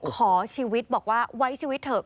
ขอชีวิตบอกว่าไว้ชีวิตเถอะ